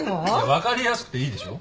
分かりやすくていいでしょ？